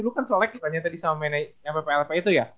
lo kan selek kan tadi sama manajer pplp itu ya